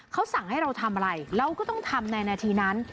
เขาสั่งให้เราทำอะไรเราก็ต้องทำในนาทีนั้น